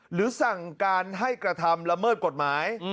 หรือสั่งการให้กระทำละเมิดกฎหมาย